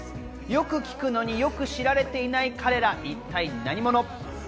よく聞くのによく知られていない彼ら、一体何者？